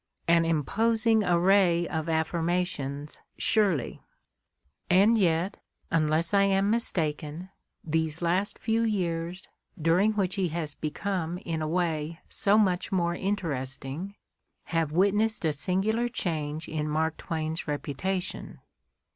An imposing array of affirmations, surely! And yet, unless I am mistaken, these last few years, during which he has become in a way so much more interesting, have witnessed a singular change in Mark Twain's reputation.